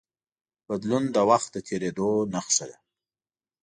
بدلون د وخت د تېرېدو نښه ده.